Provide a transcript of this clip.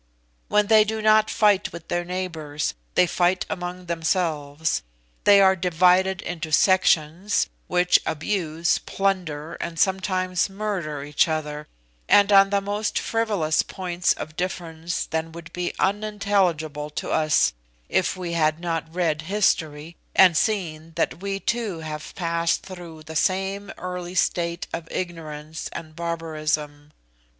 When they do not fight with their neighbours, they fight among themselves. They are divided into sections, which abuse, plunder, and sometimes murder each other, and on the most frivolous points of difference that would be unintelligible to us if we had not read history, and seen that we too have passed through the same early state of ignorance and barbarism.